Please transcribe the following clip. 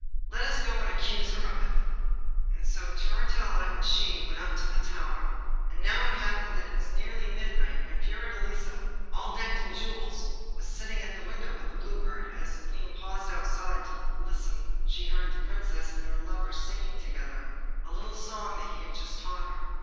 'Let us go and accuse her of it.' So she and Turritella went up into the tower. Now it happened that it was nearly midnight, and Fiordelisa, all decked with jewels, was sitting at the window with the Blue Bird, and as the Queen paused outside the door to listen she heard the Princess and her lover singing together a little song he had just taught her.